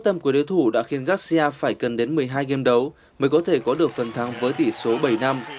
tâm của đối thủ đã khiến gassa phải cần đến một mươi hai game đấu mới có thể có được phần thắng với tỷ số bảy năm